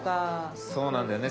そうなんだよね